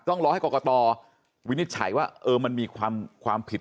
ต้องรอให้กรกตวินิจฉัยว่ามันมีความผิด